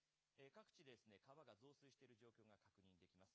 各地、川が増水している状況が確認できます。